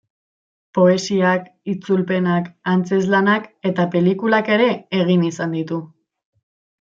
Poesiak, itzulpenak, antzezlanak eta pelikulak ere egin izan ditu.